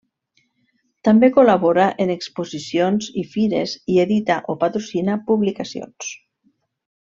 També col·labora en exposicions i fires i edita o patrocina publicacions.